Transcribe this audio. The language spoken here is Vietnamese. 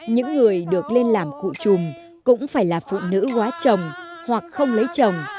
những người được lên làm cụ trùm cũng phải là phụ nữ quá trồng hoặc không lấy trồng